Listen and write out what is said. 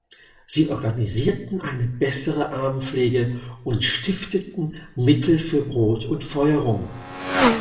Sie organisierten eine bessere Armenpflege und stifteten Mittel für Brot und Feuerung.